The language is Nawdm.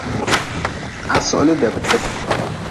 Ha sohli debte.